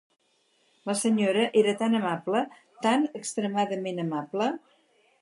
La senyora era tan amable; tan extremadament amable...